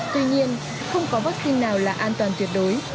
tuy nhiên không có vaccine nào là an toàn tuyệt đối